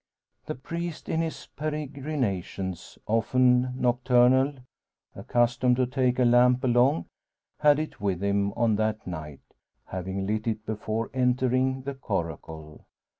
The priest in his peregrinations, often nocturnal, accustomed to take a lamp along, had it with him on that night, having lit it before entering the coracle.